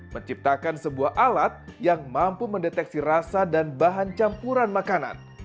menciptakan sebuah alat yang mampu mendeteksi rasa dan bahan campuran makanan